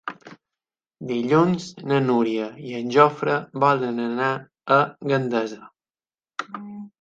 Dilluns na Núria i en Jofre volen anar a Gandesa.